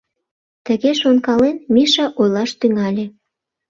Тыге шонкален, Миша ойлаш тӱҥале.